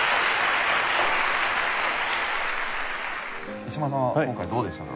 石丸さんは今回どうでしたか？